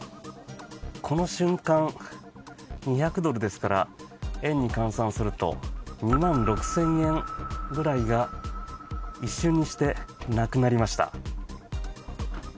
この瞬間、２００ドルですから円に換算すると２万６０００円ぐらいが一瞬にしてなくなりました。